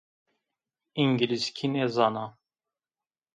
Îngilizkî nêzana